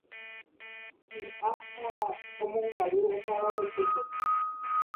hi'a ha omongaru opavavetépe